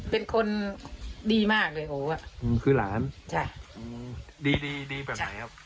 เป็นคนดีมากเลยโหวะใช่ดีแบบไหนครับ